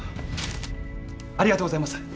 ありがとうございます。